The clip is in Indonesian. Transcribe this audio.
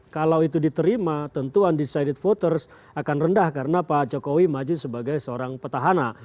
kalau itu diterima tentu undecided voters akan rendah karena pak jokowi maju sebagai seorang petahana